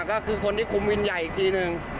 ก็คือคนที่คุมวินใหญ่อีกทีหนึ่ง